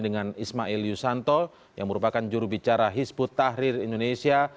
dengan ismail yusanto yang merupakan jurubicara hisbut tahrir indonesia